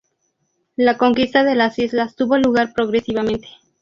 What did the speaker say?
La conquista de las islas tuvo lugar progresivamente.